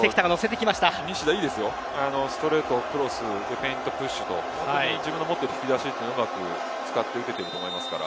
ストレート、クロスフェイント、プッシュ自分の持っている引き出しをうまく使っていると思いますから。